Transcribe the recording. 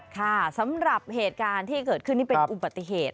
ค่ะสำหรับเหตุการณ์ที่เกิดขึ้นนี่เป็นอุบัติเหตุ